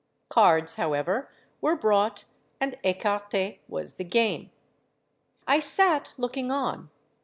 Cards, however, were brought; and écarté was the game. I sate looking on.